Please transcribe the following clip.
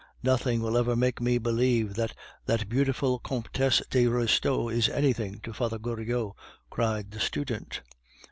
"Nothing will ever make me believe that that beautiful Comtesse de Restaud is anything to Father Goriot," cried the student.